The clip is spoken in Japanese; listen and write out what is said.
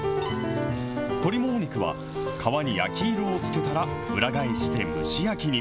鶏もも肉は皮に焼き色をつけたら裏返して蒸し焼きに。